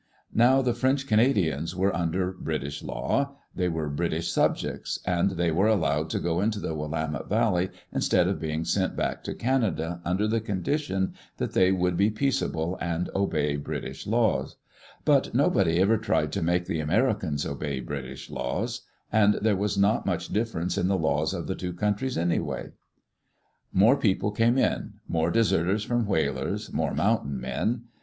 Now the French Canadians were under British law; they were British subjects, and they were allowed to go into the Willamette Valley instead of being sent back to Canada under the condition that they would be peace able and obey British laws. But nobody ever tried to make the Americans obey British laws; and there was not much difference in the laws of the two countries anyway. [iSi] Digitized by CjOOQ IC EARLY DAYS IN OLD OREGON More people came In — more deserters from whalers, more "mountain men."